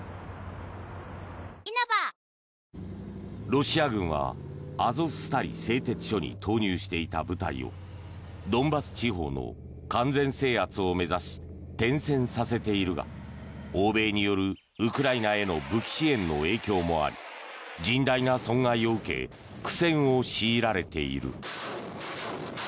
ロシア軍はアゾフスタリ製鉄所に投入していた部隊をドンバス地方の完全制圧を目指し転戦させているが欧米によるウクライナへの武器支援の影響もあり甚大な損害を受け苦戦を強いられている。